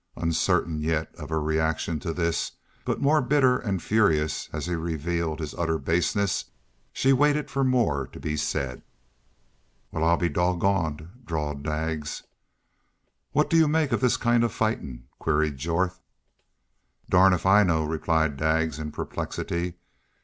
Uncertain yet of her reaction to this, but more bitter and furious as he revealed his utter baseness, she waited for more to be said. "Wal, I'll be doggoned," drawled Daggs. "What do you make of this kind of fightin'?" queried Jorth, "Darn if I know," replied Daggs in perplexity.